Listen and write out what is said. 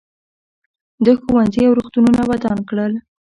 ده ښوونځي او روغتونونه ودان کړل.